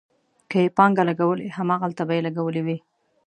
که یې پانګه لګولې، هماغلته به یې لګولې وي.